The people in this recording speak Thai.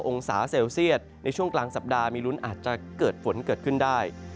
องศาเซลเซียตในช่วงกลางสัปดาห์มีลุ้นอาจจะเกิดฝนเกิดขึ้นได้